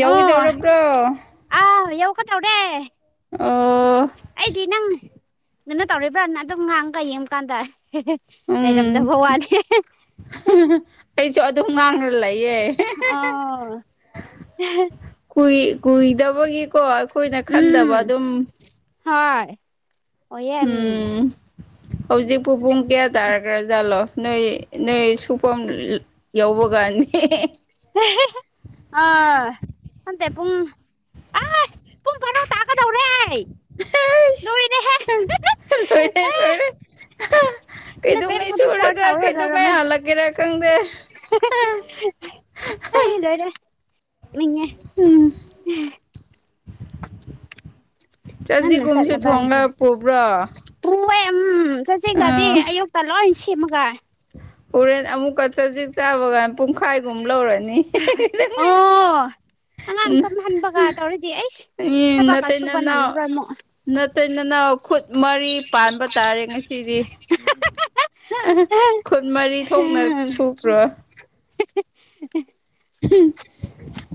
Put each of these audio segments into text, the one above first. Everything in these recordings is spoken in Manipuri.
ꯌꯥꯎꯏꯤꯗꯧꯔꯕ꯭ꯔꯣ ꯀꯗꯧꯔꯦ ꯑꯩꯗꯤ ꯅꯪ ꯑꯗꯨꯅ ꯇꯧꯔꯤꯕ꯭ꯔꯥꯅ ꯑꯗꯨꯝ ꯉꯥꯡꯒ ꯌꯦꯡꯀꯥꯟꯗ ꯎꯝ ꯂꯩꯔꯝꯗꯕ ꯋꯥꯅꯤ ꯀꯣꯏ ꯑꯣ [unintelligible] ꯀꯨꯏꯗꯕꯒꯤꯀꯣ ꯑꯩꯈꯣꯏꯅ ꯈꯟꯗꯕ ꯎꯝ ꯑꯗꯨꯝ ꯍꯣꯏ ꯎꯝ ꯍꯧꯖꯤꯛꯄꯕꯨꯡ ꯀꯌꯥ ꯇꯥꯔꯒ꯭ꯔꯥꯖꯥꯠꯂꯣ ꯅꯣꯏ ꯅꯣꯏ ꯁꯨꯐꯝꯝ ꯌꯥꯎꯕꯒꯅꯤ ꯑ ꯑꯦ ꯄꯨꯡ ꯑꯩ ꯄꯨꯡ ꯕꯥꯔꯣ ꯇꯥꯀꯗꯧꯔꯦ ꯑꯁ ꯅꯣꯏꯅꯦ ꯂꯣꯏꯔꯦ ꯂꯣꯏꯔꯦ ꯏꯂꯚꯦꯟ ꯀꯩꯗꯉꯩ ꯐꯣꯔꯇꯤ ꯐꯣꯔ ꯁꯨꯔꯒ ꯇꯧꯔ ꯀꯩꯗꯧꯉꯩ ꯂꯩꯔꯝꯃꯦ ꯍꯜꯂꯛꯀꯦꯔꯥ ꯈꯪꯗꯦ ꯑ [unintelligible] ꯃꯤꯉ [unintelligible] ꯎꯝ [unintelligible] ꯉꯜꯅ‌ ꯆꯖꯤꯛꯒꯨꯝꯁꯨ ꯆꯠꯂꯒ ꯊꯣꯡꯂ ꯄꯨꯕ꯭ꯔꯣ ꯎꯝ ꯆꯠꯁꯤꯒꯗꯤ ꯑꯌꯨꯛꯇ ꯂꯣꯏ ꯁꯦꯝꯃꯒ ꯀꯔꯦꯟ ꯑꯃꯨꯛ ꯀ ꯆꯖꯤꯛ ꯆꯥꯕꯒꯥꯟ ꯄꯨꯡꯈꯥꯏꯒꯨꯝ ꯂꯧꯔꯅꯤꯪ ꯑꯣ ꯑꯉꯥꯡ ꯇꯝꯍꯟꯕꯒ ꯇꯧꯔꯗꯤ ꯑꯩꯁ ꯊꯕꯛꯀ ꯁꯨꯕ ꯅꯪꯉꯒ ꯑꯃꯛ ꯅꯠꯇꯗꯅ ꯈꯨꯠ ꯃꯔꯤ ꯄꯥꯟꯕ ꯇꯥꯔꯦ ꯉꯁꯤꯗꯤ ꯈꯨꯟ ꯃꯔꯤ ꯊꯣꯛꯅ ꯎꯝ ꯁꯨꯕ꯭ꯔꯣ [inaudible] ꯎꯝ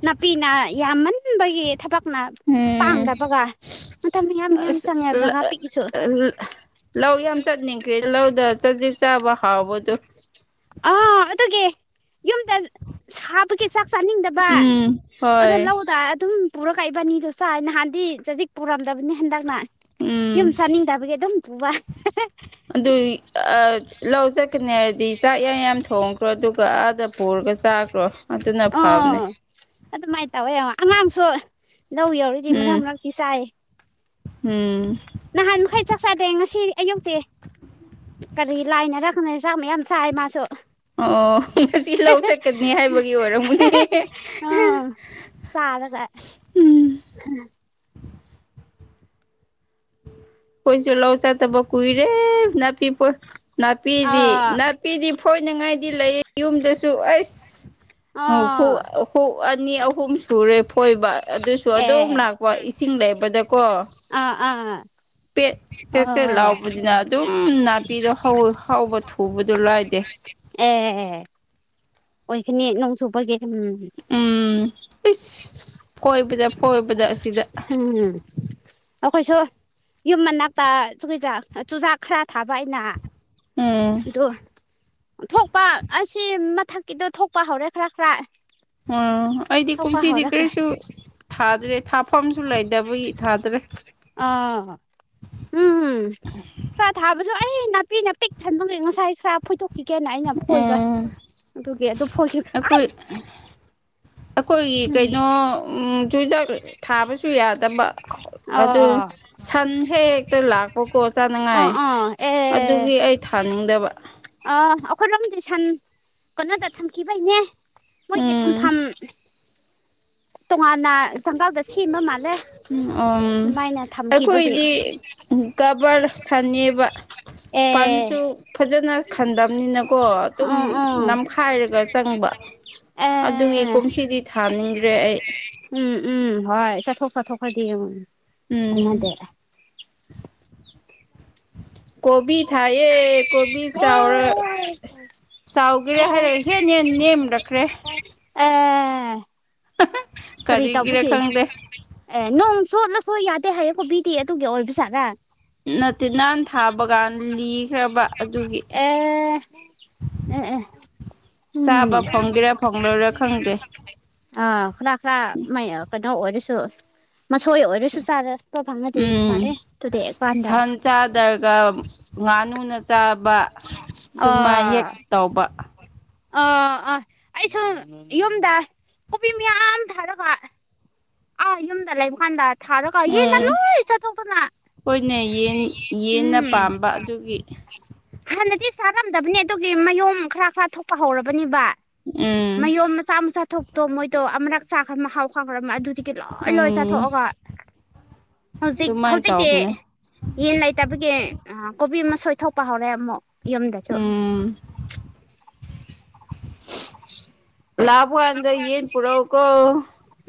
ꯅꯄꯤꯅꯥ ꯌꯥꯝꯃꯟꯕꯒꯤ ꯊꯕꯛꯅ ꯎꯝ ꯄꯥꯡꯗꯕꯒ ꯃꯇꯝꯌꯥꯝ ꯌꯥꯝꯌꯥꯝ ꯑꯁ ꯆꯪꯉꯦꯕ ꯖꯒꯥ ꯄꯤꯛꯏꯁꯨ [inaudible] ꯂꯧ ꯌꯥꯝ ꯆꯠꯅꯤꯡꯈ꯭ꯔꯦ ꯂꯧꯗ ꯆꯖꯤꯛ ꯆꯥꯕ ꯍꯥꯎꯕꯗꯨꯣ ꯑꯥ ꯑꯗꯨꯒꯤ ꯌꯨꯝꯗ ꯁꯥꯕꯒꯤ ꯆꯥꯛ ꯆꯥꯅꯤꯡꯗꯕ ꯎꯝ ꯑꯗꯣ ꯍꯣꯏ ꯂꯧꯗ ꯑꯗꯨꯝ ꯄꯨꯔ ꯀꯛꯏꯕꯅꯤꯗꯣ ꯆꯥꯏ ꯅꯍꯥꯟꯗꯤ ꯆꯖꯤꯛ ꯄꯨꯔꯝꯗꯕꯅꯤ ꯍꯟꯗꯛꯅ ꯌꯨꯝ ꯎꯝ ꯆꯥꯅꯤꯡꯗꯕꯒꯤ ꯑꯗꯨꯝ [unintelligible] ꯑꯗꯨ ꯂꯧ ꯆꯠꯀꯅꯤ ꯍꯥꯏꯗꯤ ꯆꯥꯛ ꯌꯥꯝ ꯌꯥꯝ ꯊꯣꯡꯈ꯭ꯔꯣ ꯑꯗꯨꯒ ꯑꯥꯗ ꯄꯨꯔ ꯆꯥꯈ꯭ꯔꯣ ꯑꯗꯨꯅ ꯐꯕꯅꯦ ꯑꯣ ꯑꯗꯨꯃꯥꯏꯅ ꯇꯧꯋꯦ ꯑꯉꯥꯡꯁꯨ ꯂꯧ ꯌꯧꯔꯤꯗꯤ ꯎꯝ ꯃꯅꯥꯛ ꯃꯔꯛꯇꯤ ꯆꯥꯏ ꯎꯝ ꯅꯟ ꯈꯩ ꯆ ꯁꯥꯥꯏꯗꯦ ꯌꯦ ꯉ ꯁꯤ ꯑꯩꯌꯨꯛꯇꯤ ꯀꯔꯤ ꯂꯥꯏꯅꯔꯛꯅ ꯆꯥꯛ ꯃꯌꯥꯝ ꯆꯥꯏ ꯃꯥꯁꯨ ꯑꯣ ꯉꯁꯤ ꯂꯧ ꯆꯠꯀꯅꯤ ꯍꯥꯏꯕꯒꯤ ꯑꯣꯏꯔꯝꯒꯅꯤ ꯑꯥ ꯁꯥꯗꯒ ꯎꯝ ꯀꯣꯏꯁꯨ ꯂꯥꯎ ꯆ ꯇꯕ ꯀꯨꯏꯔꯦ ꯅꯅꯥꯄꯤꯄꯤ ꯄ ꯅꯥꯄꯤꯗꯤ ꯑꯥ ꯅꯥꯄꯤꯗꯤ ꯐꯣꯏꯅꯉꯥꯏꯗꯤ ꯂꯩ ꯌꯨꯝꯗꯁꯨ ꯑꯩꯁ ꯑꯥ ꯍꯨ ꯑꯅꯤ ꯑꯍꯨꯝ ꯁꯨꯔꯦ ꯐꯣꯏꯕ ꯑꯗꯨꯁꯨ ꯑꯗꯨꯝ ꯑꯦ ꯂꯥꯛꯄ ꯆꯤꯡ ꯂꯩꯕꯗꯀꯣ ꯑꯥ ꯑꯥ ꯄꯦꯠ ꯆꯦꯠ ꯆꯦꯠ ꯑꯣ ꯂꯥꯎꯕꯅꯤꯅ ꯑꯗꯨꯝ ꯅꯥꯄꯤꯗꯣ ꯍꯥꯎꯕ ꯊꯨꯕꯗꯣ ꯂꯥꯏꯗꯦ ꯎꯝ ꯑꯣꯏꯈꯅꯤ ꯅꯣꯡꯁꯨꯄꯒꯦ ꯎꯝ ꯎꯝ ꯏꯁ ꯐꯣꯏꯕꯗ ꯐꯣꯏꯕꯗ ꯑꯁꯤ ꯍꯝ ꯑꯩꯈꯣꯏꯁꯨ ꯌꯨꯝ ꯃꯅꯥꯛꯇꯩ ꯆꯨꯖꯥꯛ ꯈꯔ ꯊꯥꯕ ꯑꯩꯅ ꯎꯝ ꯑꯗꯨ ꯊꯣꯛꯄ ꯑꯁꯤ ꯃꯊꯛꯀꯤꯗꯣ ꯊꯣꯛꯄ ꯍꯧꯔꯦ ꯈꯔ ꯈꯔ ꯑꯣ ꯑꯩꯗꯤ ꯊꯣꯛꯄ ꯀꯨꯝꯁꯤꯗꯤ ꯍꯧꯔꯈ꯭ꯔꯦ ꯀꯔꯤꯁꯨ ꯊꯥꯗ꯭ꯔꯦ ꯃꯐꯝꯁꯨ ꯂꯩꯗꯕꯨꯒꯤ ꯊꯥꯗ꯭ꯔꯦ ꯑꯥ ꯎꯝ ꯈꯔ ꯊꯥꯕꯁꯨ ꯑꯩ ꯅꯥꯄꯤ ꯅꯥ ꯄꯤꯛ ꯊꯟꯕꯦ ꯉꯁꯥꯏ ꯈꯔ ꯐꯣꯏꯊꯣꯛ ꯀꯤꯀꯦꯅ ꯑꯩꯅ ꯐꯣꯏꯕ ꯎꯝ ꯑꯗꯨꯒꯤ ꯑꯗꯨ ꯐꯣꯏ ꯑꯩꯈꯣꯏ ꯑꯩꯈꯣꯏꯒꯤ ꯀꯩꯅꯣ ꯆꯨꯖꯥꯛ ꯊꯥꯕꯁꯨ ꯌꯥꯗꯕ ꯑꯗꯨ ꯑꯥ ꯁꯟ ꯍꯦꯛ ꯍꯦꯛꯇ ꯂꯥꯛꯄꯀꯣ ꯆꯥꯅꯉꯥꯏ ꯑꯥ ꯑꯥ ꯑꯦ ꯑꯗꯨꯒꯤ ꯑꯩ ꯊꯥꯅꯤꯡꯗꯕ ꯈꯨꯝ ꯂꯤꯗꯤꯁꯟ ꯀꯩꯅꯣꯗ ꯊꯝꯈꯤꯕꯩꯅꯦ ꯃꯣꯏꯒꯤ ꯎꯝ ꯊꯝꯐꯝ ꯇꯣꯉꯥꯟꯅ ꯖꯪꯒꯥꯜꯗ ꯁꯦꯝꯕ ꯃꯥꯜꯂꯦ ꯎ ꯑꯗꯨꯃꯥꯏꯅ ꯊꯝꯈꯤꯕꯒꯤ ꯑꯩꯈꯣꯏꯗꯤ ꯀꯕꯔ ꯁꯟꯅꯕ ꯑꯦ ꯄꯜꯁꯨ ꯐꯖꯅ ꯈꯟꯗꯕꯅꯤꯅꯀꯣ ꯑꯣ ꯑꯗꯨꯝ ꯎꯝ ꯎꯝ ꯅꯝꯈꯥꯏꯔꯒ ꯆꯪꯕ ꯑꯗꯨꯒꯤ ꯑꯦ ꯀꯨꯝꯁꯤꯗꯤ ꯊꯥꯅꯤꯡꯗ꯭ꯔꯦ ꯑꯩ ꯎꯝ ꯎꯝ ꯍꯣꯏ ꯆꯠꯊꯣꯛ ꯆꯠꯊꯣꯛ ꯍꯥꯏꯗꯤꯡꯉ ꯎꯝ ꯈꯥꯟꯅꯗꯦ ꯀꯣꯕꯤ ꯀꯣꯄꯤ ꯍꯥꯏ ꯊꯥꯏꯌꯦ ꯀꯣꯕꯤ ꯆꯥꯎꯔ ꯆꯥꯎꯒꯦꯔꯥ ꯍꯥꯏꯔꯒ ꯍꯦꯟ ꯍꯦꯟ ꯅꯦꯝꯔꯛꯈ꯭ꯔꯦ ꯍ ꯑꯥ ꯀꯔꯤ ꯀꯔꯤꯒꯤꯔ ꯇꯕꯨꯒꯦ ꯈꯪꯗꯦ ꯑꯦ ꯅꯣꯡꯁꯨꯠꯂ ꯍꯣꯏ ꯌꯥꯗꯦ ꯍꯥꯏꯌꯦꯀꯣ ꯕꯤꯗꯤ ꯑꯗꯨꯒꯤ ꯑꯣꯏꯕ ꯁꯥꯥꯒ ꯅꯠꯇꯦ ꯅꯥꯟ ꯊꯥꯕꯒꯥꯟ ꯂꯤꯈ꯭ꯔꯕ ꯑꯗꯨꯒꯤ ꯑꯦ ꯎꯝ ꯎꯝ ꯆꯥꯕ ꯐꯪꯒꯦꯔꯥ ꯐꯪꯂꯣꯏꯔꯥ ꯈꯪꯗꯦ ꯑꯥ ꯈꯔ ꯈꯔ ꯀꯩꯅꯣ ꯑꯣꯏꯔꯁꯨ ꯃꯁꯣꯏ ꯑꯣꯏꯔꯁꯨ ꯆꯥꯔ ꯐꯪꯉꯗꯤ ꯎꯝ ꯐꯔꯦ ꯑꯗꯨꯗꯤ ꯑꯩꯀꯥꯟꯗ ꯁꯆꯥꯥꯗꯔꯒ ꯉꯥꯅꯨꯅ ꯆꯥꯕ ꯑꯗꯨꯃ ꯑꯥ ꯌꯦꯛꯇ ꯇꯧꯕ ꯑꯥ ꯑꯥ ꯑꯩꯁꯨ ꯌꯨꯝꯗ ꯀꯣꯕꯤ ꯃꯌꯥꯝ ꯊꯥꯔꯒ ꯑꯥ ꯌꯨꯝꯗ ꯂꯩꯕ ꯀꯥꯟꯗ ꯊꯥꯔꯒ ꯌꯦꯗ ꯎꯝ ꯂꯣꯏ ꯆꯠꯊꯣꯛꯇꯅ ꯍꯣꯏꯅꯦ ꯌꯦꯟ ꯌꯦꯟꯅ ꯎꯝ ꯄꯥꯝꯕ ꯑꯗꯨꯒꯤ ꯍꯥꯟꯅꯗꯤ ꯆꯥꯔꯝꯗꯕꯅꯤ ꯑꯗꯨꯒꯤ ꯃꯌꯨꯝꯝ ꯈꯔ ꯈꯔ ꯊꯣꯛꯄ ꯍꯧꯔꯕꯅꯤꯕ ꯎꯝ ꯃꯌꯨꯝ ꯃꯆꯥ ꯃꯆꯥ ꯊꯣꯛꯇꯣ ꯃꯣꯏꯗꯣ ꯑꯃꯨꯔꯛ ꯆꯥꯈ꯭ꯔꯕ ꯍꯥꯎ ꯈꯥꯈ꯭ꯔꯕꯃ ꯑꯗꯨ ꯀꯤ ꯂꯣꯏ ꯂꯣꯏ ꯎꯝ ꯆꯥꯊꯣꯛꯑꯒ ꯍꯧꯖꯤꯛ ꯑꯗꯨꯃꯥꯏꯅ ꯍꯧꯖꯤꯛꯇꯤ ꯇꯧꯕꯅꯦ ꯌꯦꯟ ꯂꯩꯇꯕꯒꯤ ꯀꯣꯕꯤ ꯃꯁ ꯁꯣꯏꯊꯣꯛꯄ ꯍꯧꯔꯦ ꯑꯃꯨꯛ ꯌꯨꯝꯗꯁꯨ ꯎꯝ ꯂꯥꯕ ꯑꯗ꯭ꯔ ꯌꯦꯟ ꯄꯨꯔꯎꯀꯣ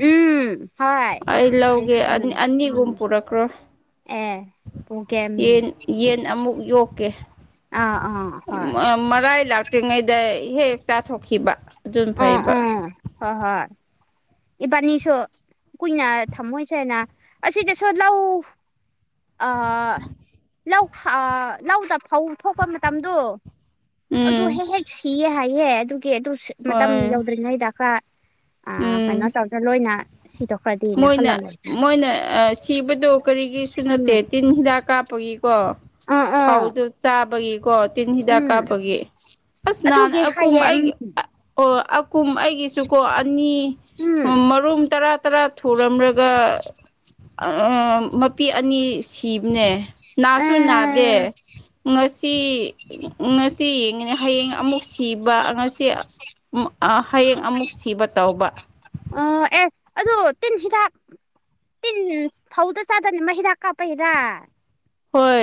ꯎꯝ ꯍꯣꯏ ꯑꯩ ꯂꯧꯒꯦ ꯄꯨꯒꯦ ꯎꯝ ꯑꯅꯤꯒꯨꯝ ꯄꯨꯔꯛꯈ꯭ꯔꯣ ꯑꯦ ꯄꯨꯒꯦ ꯎꯝ ꯌꯦꯟ ꯌꯦꯟ ꯑꯃꯨꯛ ꯌꯣꯛꯀꯦ ꯑꯥ ꯑꯥ ꯍꯣꯏ ꯃꯔꯥꯏ ꯂꯥꯛꯇ꯭ꯔꯤꯉꯩꯗ ꯍꯦꯛ ꯍꯦꯛ ꯆꯥꯊꯣꯛꯈꯤꯕ ꯑꯗꯨꯝ ꯐꯩꯕ ꯏꯕꯥꯅꯤꯁꯨꯣ ꯀꯨꯏꯅ ꯊꯝꯃꯣꯏꯁꯦꯅ ꯑꯁꯤ ꯀ ꯁꯣ ꯂꯥꯛꯎ ꯑ ꯂꯧ ꯂꯧꯗ ꯐꯧ ꯊꯣꯛꯄ ꯃꯇꯝꯗꯣ ꯑꯗꯨ ꯎꯝ ꯍꯦꯛ ꯍꯦꯛ ꯁꯤꯌꯦ ꯍꯥꯏꯌꯦꯦ ꯑꯗꯨꯒꯤ ꯑꯗꯨ ꯃꯇꯝ ꯍꯣꯏ ꯌꯧꯗ꯭ꯔꯤꯉꯩꯗꯀ ꯑ ꯀꯩꯅꯣ ꯎꯝ ꯇꯧꯗ꯭ꯔ ꯂꯣꯏꯅ ꯁꯤ ꯇ ꯃꯣꯏꯅ ꯃꯣꯏꯅ ꯁꯤꯕꯗꯣ ꯀꯔꯤꯒꯤꯁꯨ ꯎꯝ ꯅꯠꯇꯦ ꯇꯤꯟ ꯍꯤꯗꯥꯛ ꯀꯥꯞꯄꯒꯤ ꯀꯣ ꯑꯥ ꯑꯥ ꯐꯧꯗ ꯆꯥꯕꯒꯤꯀꯣ ꯇꯤꯟ ꯍꯤꯗꯥꯛ ꯎꯝ ꯀꯥꯞꯄꯒꯤ ꯑꯁ ꯅꯍꯥꯟ ꯑꯗꯨꯒꯤ ꯑꯀꯨꯝ ꯍꯥꯏꯌꯦ ꯎꯝ ꯑꯩꯒꯤ ꯑꯣ ꯑꯀꯨꯝ ꯑꯩꯒꯤꯁꯨꯀꯣ ꯑꯅꯤ ꯎꯝ ꯃꯔꯨꯝ ꯇꯔꯥ ꯇꯔꯥ ꯊꯨꯔꯝꯂꯒ ꯃꯄꯤ ꯑꯅꯤ ꯁꯤꯕꯅꯦ ꯑꯥ ꯅꯥꯁꯨꯅꯅꯥꯗꯦ ꯉꯁꯤ ꯉꯁꯤ ꯌꯦꯡꯉꯤꯅꯦ ꯍꯌꯦꯡ ꯑꯃꯨꯛ ꯁꯤꯕ ꯉꯁꯤ ꯍꯌꯦꯡ ꯑꯃꯨꯛ ꯁꯤꯕ ꯇꯧꯕ ꯑꯣ ꯑꯦ ꯑꯗꯨꯗ ꯇꯤꯟꯁꯤꯗ ꯏ ꯍꯥꯎꯗ ꯆꯗꯅꯤ ꯃ ꯍꯗ ꯀꯥꯄ ꯍꯔ ꯍꯣꯏ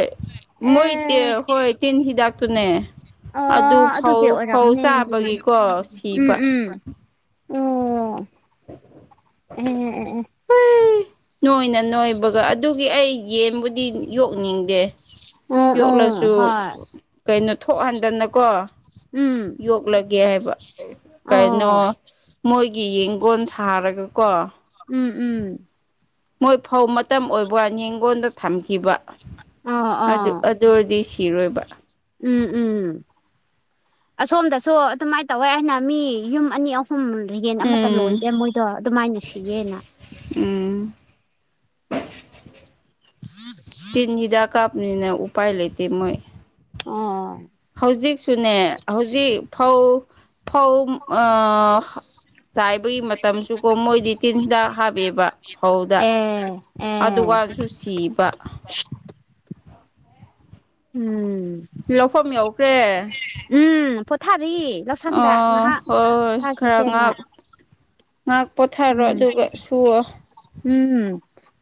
ꯃꯣꯏ ꯍꯣꯏ ꯇꯤꯟ ꯍꯤꯗꯥꯛꯇꯨꯅꯦ ꯑ ꯑꯗꯨ ꯐꯧ ꯑꯗꯨꯒꯤ ꯐꯧ ꯑꯣꯏꯔꯝꯅꯦ ꯑꯗꯨꯗꯤ ꯆꯥꯕꯒꯤꯀꯣ ꯁꯤꯕ ꯑꯣ ꯎꯝ ꯎꯝ ꯎꯝ ꯅꯣꯏꯅ ꯅꯣꯏꯕꯒ ꯑꯗꯨꯒꯤ ꯑꯩ ꯌꯦꯟꯕꯨꯗꯤ ꯌꯣꯛꯅꯤꯡꯗꯦ ꯑꯦ ꯑꯣ ꯌꯣꯛꯂꯁꯨ ꯑꯣ ꯍꯣꯏ ꯀꯩꯅꯣ ꯊꯣꯛꯍꯟꯗꯅꯀꯣ ꯎꯝ ꯌꯣꯛꯂꯒꯦ ꯍꯥꯏꯕ ꯀꯩꯅꯣ ꯑꯣ ꯃꯣꯏꯒꯤ ꯌꯦꯡꯒꯣꯟ ꯁꯥꯔꯒꯀꯣ ꯎꯝ ꯎꯝ ꯃꯣꯏ ꯐꯧ ꯃꯇꯝ ꯑꯣꯏꯕ ꯌꯦꯡꯒꯣꯟꯗ ꯊꯝꯈꯤꯕ ꯑꯣ ꯑꯗꯨ ꯑꯣ ꯑꯗꯨ ꯑꯣꯏꯔꯗꯤ ꯁꯤꯔꯣꯏꯕ ꯎꯝ ꯎꯝ ꯑꯁꯣꯝꯗꯁꯨ ꯑꯗꯨꯃꯥꯏꯅ ꯇꯧꯋꯦ ꯍꯥꯏꯅ ꯃꯤ ꯌꯨꯝ ꯑꯅꯤ ꯑꯨꯝ ꯁꯨꯝ ꯌꯦꯟ ꯑꯃꯠꯇ ꯎꯝ ꯂꯣꯏꯗꯦ ꯃꯣꯏꯗꯣ ꯑꯗꯨꯃꯥꯏꯅ ꯁꯤꯒꯦꯅ ꯎꯝ ꯇꯤꯅꯤꯗꯥ ꯀꯥꯄꯅꯤꯅ ꯎꯄꯥꯥꯏ ꯂꯩꯦꯇ ꯃꯣꯏ ꯑꯣ ꯍꯧꯖꯤꯛꯁꯨꯅꯦ ꯍꯧꯖꯤꯛ ꯐꯧ ꯐꯧ ꯆꯥꯏꯕꯒꯤ ꯃꯇꯝꯁꯨꯀꯣ ꯃꯣꯏꯗꯤ ꯇꯤꯟ ꯍꯤꯗꯥꯛ ꯍꯥꯞꯄꯦꯕ ꯐꯧꯗ ꯑꯦ ꯑꯦ ꯑꯗꯨꯀꯥꯟꯁꯨ ꯁꯤꯕ ꯎꯝ ꯂꯧꯐꯝ ꯌꯧꯈ꯭ꯔꯦ ꯎꯝ ꯄꯣꯊꯥꯔꯤ ꯂꯧꯁꯪꯗ ꯑꯣ ꯍꯣꯏ ꯉꯥꯏꯍꯥꯛꯣ ꯍꯣꯏ ꯈꯔ ꯊꯥꯈꯤꯁꯦꯅ ꯉꯥꯛ ꯉꯥꯛ ꯄꯣꯊꯥꯔꯣ ꯎꯝ ꯑꯗꯨꯒ ꯁꯨꯋꯣ ꯎꯝꯝ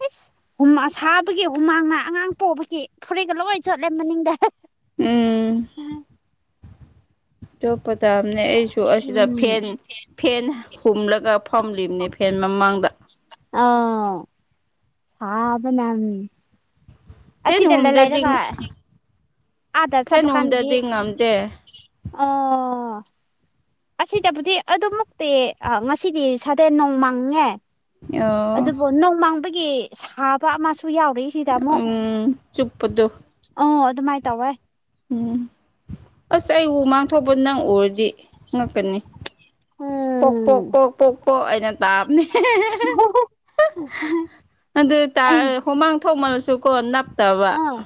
ꯏꯁꯁ ꯁꯥꯕꯒꯤ ꯍꯨꯃꯥꯡꯅ ꯑꯉꯥꯡ ꯄꯣꯛꯕꯒꯤ ꯐꯨꯔꯤꯒ ꯂꯣꯏ ꯆꯣꯠꯂꯦ ꯃꯅꯤꯡꯗ ꯎꯝ ꯇ ꯄꯊ ꯑꯅꯦ ꯑꯩ ꯁꯨ ꯑꯁꯤꯗ ꯐꯦꯟ ꯐꯦꯟ ꯍꯨꯝꯂꯒ ꯐꯝꯂꯤꯕꯅꯦ ꯐꯦꯟ ꯃꯃꯥꯡꯗ [inaudible] ꯑ ꯑꯗꯨꯕꯅꯝ ꯐꯦꯟ ꯑꯁꯤꯁꯤꯗꯂ ꯂꯩ ꯍꯨꯝꯗꯗꯤ ꯂꯩꯗꯀ ꯑꯗ ꯁꯄ ꯐꯦꯟ ꯀꯥꯟꯗꯗꯤ ꯍꯨꯝꯗꯗꯤ ꯉꯝꯗꯦ ꯑꯣ ꯑꯣ ꯑꯁꯤꯗꯕꯨꯗꯤ ꯑꯗꯨꯃꯨꯛꯇꯤ ꯉꯁꯤꯗꯤ ꯁꯥꯗꯦꯟ ꯅꯣꯡꯃꯥꯡꯉꯦ ꯑꯣ ꯑꯗꯨꯕꯨ ꯅꯣꯡꯃꯥꯡꯕꯒꯤ ꯁꯥꯕ ꯑꯃꯁꯨ ꯌꯥꯎꯔꯤꯏꯁꯤꯗ ꯑꯃꯨꯛ ꯀꯨꯗꯣ ꯑꯣ ꯑꯗꯨꯝꯥꯏ ꯇꯕꯦ ꯎꯝ ꯑꯁ ꯑꯩ ꯎ ꯃꯥꯡꯊꯣꯛꯄ ꯅꯪ ꯎꯔꯗꯤ ꯉꯛꯀꯅꯤ ꯄꯣꯛ ꯄꯣꯛ ꯎꯝ ꯄꯣꯛ ꯄꯣꯛ ꯄꯣꯛ ꯑꯩꯅ ꯇꯥꯕꯅꯦ ꯑꯗꯨ ꯑꯩ ꯍꯨꯃꯥꯡ ꯊꯣꯡꯃꯅꯁꯨꯀꯣ ꯇꯕ ꯑꯥ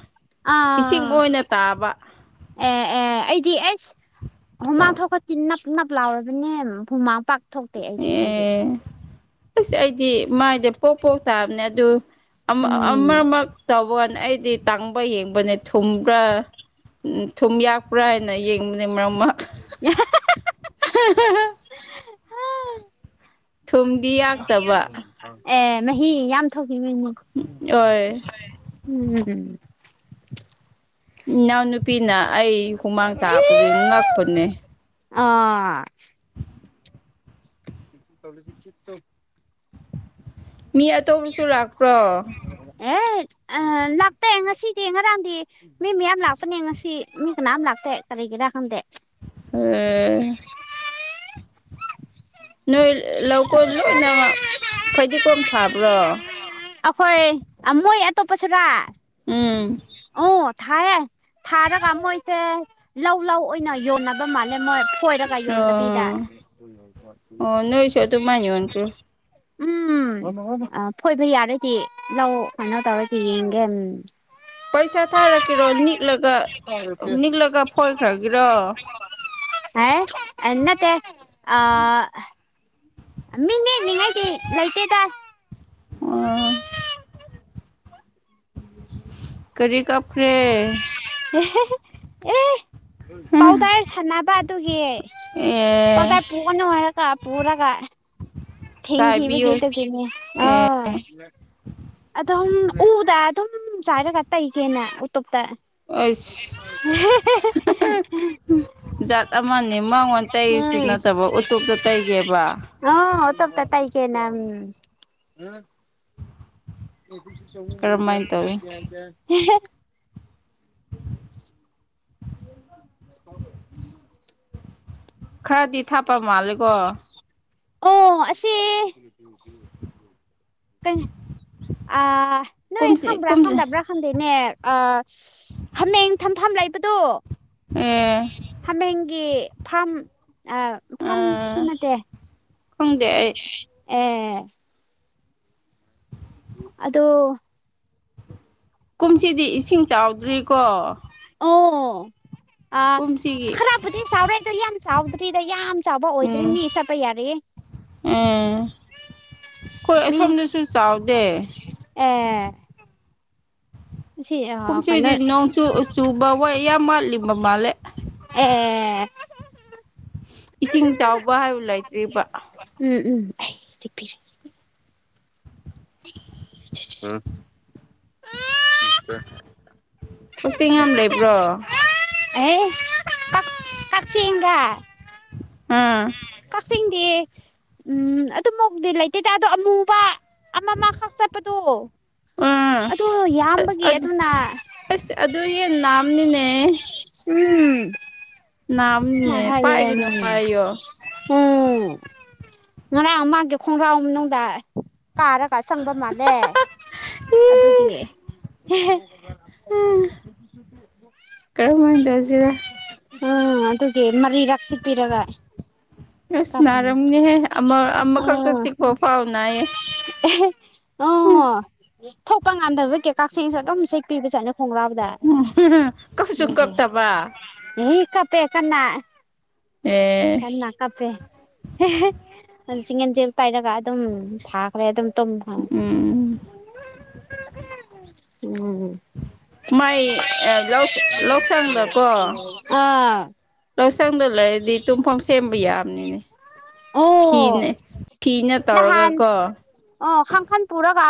ꯏꯁꯤꯡ ꯑꯥ ꯑꯣꯏꯅ ꯇꯥꯕ ꯑꯦ ꯑꯦ ꯑꯩꯗꯤ ꯑꯩꯁ ꯍꯨꯃꯥ ꯊꯣꯛꯀ ꯇꯤꯟꯅ ꯄꯅꯞ ꯂꯥꯎꯔꯕꯅꯦ ꯍꯨꯃꯥꯡ ꯄꯥꯛ ꯊꯣꯛꯇꯦ ꯑꯩꯗꯤ ꯑꯗꯨꯒꯤ ꯑꯦ ꯑꯁ ꯑꯩꯗꯤ ꯃꯥꯏꯗꯤ ꯄꯣꯛ ꯄꯣꯛ ꯇꯥꯕꯅꯦ ꯑꯗꯨ ꯎꯝ ꯑꯃꯃꯛ ꯇꯧꯕ ꯑꯩꯗꯤ ꯇꯥꯡꯕ ꯌꯦꯡꯕꯅꯦ ꯊꯨꯝꯕ꯭ꯔꯥ ꯎꯝ ꯊꯨꯝ ꯌꯥꯛꯄ꯭ꯔꯥ ꯍꯥꯏꯅ ꯌꯦꯡꯕꯅꯤ ꯃꯔꯝꯃꯛ [unintelligible] [unintelligible] ꯊꯨꯝꯗꯤ ꯌꯥꯛꯇꯕ ꯑꯦ ꯃꯍꯤ ꯌꯥꯝ ꯊꯣꯛꯈꯤꯕ ꯃꯅꯤꯣ ꯍꯣꯏ ꯎꯝ ꯝ ꯏꯅꯥꯎ ꯅꯨꯄꯤꯅ ꯑꯩ ꯍꯨꯃꯥꯡ ꯇꯥꯕꯗꯨ ꯉꯛꯄꯅꯦ ꯑ ꯇꯦꯁꯤꯤꯁꯤꯠ ꯇꯣ ꯃꯤ ꯑꯇꯣꯞꯄꯁꯨ ꯂꯥꯛꯄ꯭ꯔꯣ ꯑꯦ ꯑ ꯂꯥꯛꯇꯦ ꯉꯁꯤꯗꯤ ꯉꯔꯥꯡꯗꯤ ꯃꯤ ꯃꯌꯥꯝ ꯂꯥꯛꯄꯅꯦ ꯉꯁꯤ ꯃꯤ ꯀꯅꯥꯝ ꯂꯥꯛꯇ ꯀꯔꯤꯒꯤꯅꯣ ꯗ ꯈꯝꯗꯦ ꯑꯦ ꯅꯣꯏ ꯂꯧꯀꯣꯟ ꯂꯣꯏꯅ ꯐꯗꯤꯒꯣꯝ ꯊꯥꯕ꯭ꯔꯣ ꯑꯩꯈꯣꯏ ꯃꯣꯏ ꯑꯇꯣꯞꯄꯁꯨꯔꯥ ꯎꯝ ꯑꯣ ꯊꯥꯏꯌꯦ ꯊꯥꯔꯒ ꯃꯣꯏꯁꯦ ꯂꯧ ꯂꯧ ꯑꯣꯏꯅ ꯌꯣꯟꯅꯕ ꯃꯥꯜꯂꯦ ꯀꯣꯏꯔꯒ ꯑꯣ ꯌꯣꯟꯗꯕꯤꯗ ꯑꯣ ꯅꯣꯏꯁꯨ ꯑꯗꯨꯃꯥꯏꯅ ꯌꯣꯟꯈ꯭ꯔꯣ ꯎꯝ ꯐꯣꯏꯕ ꯌꯥꯔꯣꯏꯗꯤ ꯂꯧ ꯀꯩꯅꯣ ꯇꯧꯔꯗꯤ ꯌꯦꯡꯒꯦ ꯎꯝ ꯄꯩꯁꯥ ꯊꯥꯔꯛꯀꯦꯔꯣ ꯅꯤꯛꯂꯒ ꯅꯤꯛꯂꯒ ꯐꯣꯏꯈ꯭ꯔꯒꯦꯔꯣ ꯍꯥ ꯑ ꯑꯃꯤꯅꯦ ꯅꯉꯥꯏꯗꯤ ꯂꯣꯏꯇꯦꯗ ꯑꯣ ꯀꯔꯤ ꯀꯞ꯭ꯔꯦ ꯄꯥꯎꯗꯔ ꯁꯥꯟꯅꯕ ꯑꯗꯨꯒꯤ ꯑꯦ ꯄꯥꯎꯗꯔ ꯄꯑꯅꯣ ꯍꯥꯏꯔꯛ ꯀ ꯄꯨꯅ ꯀꯥꯏ ꯊꯤꯈꯤꯕ ꯆꯥꯏꯕꯤꯌꯨ ꯑꯗꯨꯒꯤꯅꯦ ꯑꯦ ꯑꯗꯨꯝ ꯎꯗ ꯑꯗꯨꯝ ꯆꯥꯏꯔꯒ ꯇꯩꯒꯦꯅꯦ ꯎꯇꯣꯞꯇ ꯑꯁ [unintelligible] ꯖꯥꯠ ꯑꯃꯅꯤ ꯃꯪꯉꯣꯟ ꯇꯩꯔꯤꯁꯨ ꯎꯝ ꯅꯠꯇꯕ ꯎꯇꯣꯞꯇ ꯇꯩꯒꯦꯕ ꯍ ꯇ ꯄꯇꯥꯏ ꯀꯦ ꯅ ꯀꯔꯝꯃꯥꯏꯅ ꯇꯧꯋꯤ ꯆꯉꯖꯦ ꯈꯔꯗꯤ ꯊꯥꯄ ꯃꯥꯜꯂꯦꯀꯣ ꯑꯣ ꯑꯁꯤꯁ ꯀꯩꯅ ꯑ ꯅꯣꯏ ꯀꯨꯝꯁꯤ ꯈꯕ꯭ꯔꯥ ꯀꯨꯝꯁꯤ ꯈꯝꯗꯥꯕ꯭ꯔꯥ ꯈꯝꯗꯦꯅꯦ ꯍꯥꯃꯦꯡ ꯊꯝꯐꯝ ꯂꯩꯕꯗꯣ ꯑꯦ ꯍꯥꯃꯦꯡꯒꯤ ꯐꯥꯝ ꯑ ꯐꯥꯔꯝꯁꯨ ꯅꯠꯇꯦ ꯈꯪꯗꯦ ꯑꯩ ꯑꯦ ꯑꯗꯣ ꯀꯨꯝꯁꯤꯗꯤ ꯏꯁꯤꯡ ꯆꯥꯎꯗ꯭ꯔꯤꯀꯣ ꯑꯣ ꯑ ꯀꯨꯝꯁꯤꯒꯤ ꯁꯈꯔꯕꯨꯗꯤ ꯁꯥꯎꯔꯦꯑꯗꯨꯏ ꯌꯥꯝ ꯆꯥꯎꯗ꯭ꯔꯤꯗ ꯌꯥꯝ ꯆꯥꯎꯕ ꯑꯣꯏꯗ꯭ꯔꯤ ꯃꯤ ꯆꯠꯄ ꯌꯥꯔ꯭ꯑꯦ ꯎꯝ ꯑꯩꯈꯣꯏ ꯃꯤ ꯑꯁꯣꯝꯗꯁꯨ ꯆꯥꯎꯗꯦ ꯑꯦ ꯁꯤ ꯑꯥ ꯀꯨꯝꯆꯤꯗꯤ ꯀꯩꯅꯣ ꯅꯣꯡꯆꯨ ꯆꯨꯕ ꯋꯥ ꯌꯥꯝ ꯃ꯭ꯋꯥꯠꯂꯤꯝꯕ ꯃꯥꯜꯂꯦ ꯑꯦ ꯏꯁꯤꯡ ꯆꯥꯎꯕ ꯍꯥꯏ꯭ꯕ ꯂꯩꯇ꯭ꯔꯤꯕ ꯎꯝ ꯎꯝ ꯑꯩ ꯆꯤꯛꯄꯤꯔꯤ [unintelligible] ꯎꯝ [unintelligible] ꯀꯛꯆꯤꯡ ꯌꯥꯝ ꯂꯩꯕ꯭ꯔꯣ [unintelligible] ꯑꯩ ꯀꯛ ꯀꯛꯆꯤꯡ [unintelligible] ꯎꯝ ꯀꯛꯆꯤꯡꯗꯤ ꯎꯝ ꯑꯗꯨꯃꯎꯛꯗꯤ ꯂꯩꯇꯦꯗ ꯑꯗꯣ ꯑꯃꯨꯕ ꯑꯃꯃꯈꯛ ꯆꯠꯄꯗꯣ ꯎꯝ ꯑꯗꯨ ꯑ ꯌꯥꯝꯕꯒꯤ ꯑ꯭ꯗ ꯑꯗꯨꯅ ꯑꯁ ꯑꯗꯨ ꯌꯦ ꯅꯥꯝꯅꯤꯅꯦ ꯎꯝ ꯃꯥ ꯅꯥꯝꯅꯤꯅꯦ ꯍꯥꯏꯌꯦ ꯄꯥꯏꯒꯅꯨ ꯎꯝ ꯍꯥꯏꯌꯣ ꯎꯝ ꯉꯔꯥꯡ ꯃꯥꯒꯤ ꯈꯣꯡꯒ꯭ꯔꯥꯎ ꯃꯅꯨꯡꯗ ꯀꯥꯔꯒ ꯁꯪꯕ ꯃꯥꯜꯂꯦ ꯑꯗꯨꯒꯤ ꯌꯦꯍꯦ ꯀꯔꯝꯍꯥꯏꯅ ꯇꯧꯁꯤꯔ [unintelligible] ꯎꯝ ꯑꯗꯨꯒꯤ ꯃꯔꯤꯔꯛꯁꯨ ꯄꯤꯔꯒ ꯑꯁ ꯅꯥꯔꯝꯅꯦꯍꯦ ꯑꯃ-ꯑꯃꯈꯛꯇ ꯆꯤꯛꯄꯐꯥꯎ ꯅꯥꯏꯌꯦ ꯑꯦꯍꯦ ꯑꯣ ꯊꯣꯛꯄ ꯉꯝꯗꯕꯒꯤ ꯀꯛꯆꯦꯡꯁꯨ ꯑꯗꯨꯝ ꯁꯦꯛꯄꯤꯕ ꯖꯥꯠꯅꯦ ꯈꯣꯡꯔꯥꯎꯗ ꯀꯞꯁꯨ ꯅꯪꯒꯤ ꯀꯞꯇꯕ ꯃꯤ ꯀꯞꯄꯦ ꯀꯟꯅ ꯑꯦ ꯐꯦ [unintelligible] ꯄꯥꯏꯔꯒ ꯗꯨꯝ ꯐꯥꯈ꯭ꯔꯦꯑꯗꯨꯝ ꯇꯨꯝ ꯃ [unintelligible] ꯎꯝ ꯃꯥꯏ ꯂꯧꯁꯪꯗꯀꯣ [unintelligible] ꯑꯥ ꯑꯥ ꯁꯪꯗ ꯂꯩꯔꯗꯤ ꯇꯨꯝꯐꯝ ꯁꯦꯝꯕ ꯌ꯭ꯥꯕꯅꯤꯅꯦ ꯑꯣ ꯐꯤꯅ ꯐꯤꯅ ꯇꯧꯔꯒ ꯅꯍꯥꯟ ꯑ ꯀꯣ ꯑꯣ ꯈꯪ ꯈꯟ ꯄꯨꯔꯥꯒ